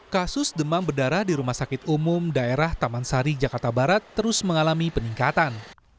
kasus demam berdarah di rumah sakit umum daerah taman sari jakarta barat terus mengalami peningkatan